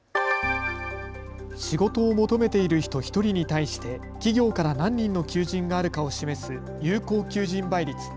仕事を求めている人１人に対して企業から何人の求人があるかを示す有効求人倍率。